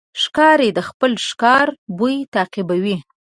ښکاري د خپل ښکار بوی تعقیبوي.